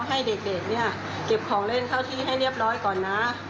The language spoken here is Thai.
ให้เด็กเนี่ยเก็บของเล่นเข้าที่ให้เรียบร้อยก่อนนะ